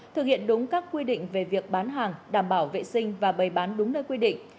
thực hiện đúng các quy định về việc bán hàng đảm bảo vệ sinh và bày bán đúng nơi quy định